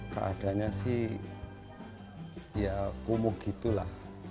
keadaannya sih ya kumuk gitu lah